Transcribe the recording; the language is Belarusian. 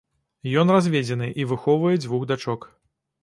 Ён разведзены і выхоўвае дзвюх дачок.